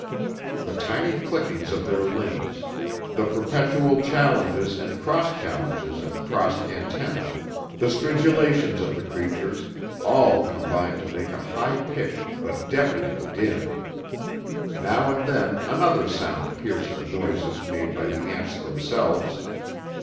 The tiny clickings of their limbs, the perpetual challenges and cross challenges of crossed antennae, the stridulations of the creatures, all combined to make a high pitched but deafening din. Now and then another sound pierced the noises made by the ants themselves.